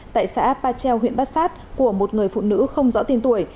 tại xã pachel huyện bát sát của một người phụ nữ không rõ tiền tuổi